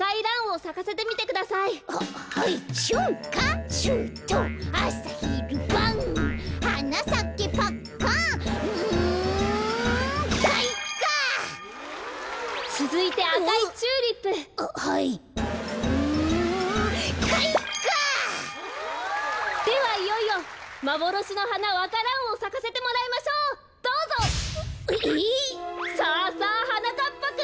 さあさあはなかっぱくん！